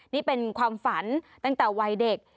นี่เป็นความฝันตั้งแต่วัยเด็ก